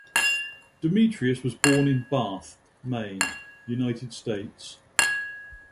Demetrius was born in Bath, Maine, United States.